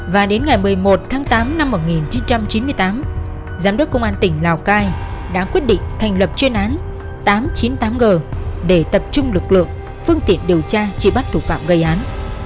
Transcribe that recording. và đến ngày một mươi một tháng tám năm một nghìn chín trăm chín mươi tám giám đốc công an tỉnh lào cai đã quyết định thành lập chuyên án tám trăm chín mươi tám g để tập trung lực lượng phương tiện điều tra truy bắt thủ phạm gây án